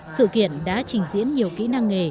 sự kiện đã trình diễn nhiều kỹ năng nghề